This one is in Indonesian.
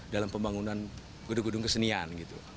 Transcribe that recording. dalam pembangunan gedung gedung kesenian gitu